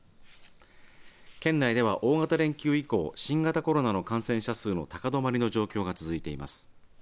県内では、大型連休以降新型コロナの感染者数の高止まりの状況が続いています。